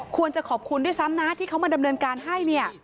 ขอบคุณด้วยซ้ำนะที่เขามาดำเนินการให้เนี่ย